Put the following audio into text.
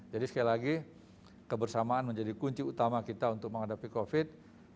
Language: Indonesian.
sekali lagi kebersamaan menjadi kunci utama kita untuk menghadapi covid